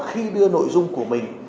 khi đưa nội dung của mình